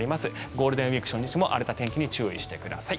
ゴールデンウィーク初日にも荒れた天気に注意してください。